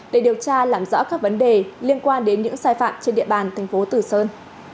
để điều tra làm rõ các vấn đề liên quan đến những sai phạm trên địa bàn thành phố tử sơn